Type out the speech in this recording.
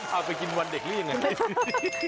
เอาไปกินวันเด็กลี่อย่างนั้น